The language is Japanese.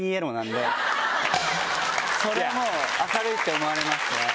それはもう明るいって思われますね。